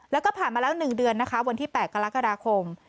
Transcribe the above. แล้วก็ผ่านมาแล้ว๑เดือนนะคะวันที่๘กรกฎาคม